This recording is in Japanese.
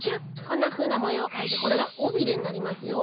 こんなふうなもようをかいてこれがおびれになりますよ。